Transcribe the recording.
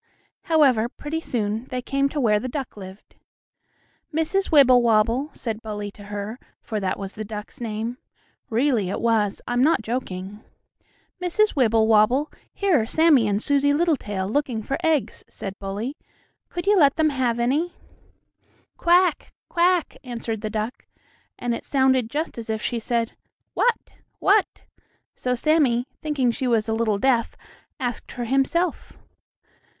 However, pretty soon they came to where the duck lived. "Mrs. Wibblewobble," said Bully to her, for that was the duck's name. Really, it was, I'm not joking. "Mrs. Wibblewobble, here are Sammie and Susie Littletail looking for eggs," said Bully. "Could you let them have any?" "Quack! quack!" answered the duck, and it sounded just as if she said, "What? what?" So Sammie, thinking she was a little deaf, asked her himself.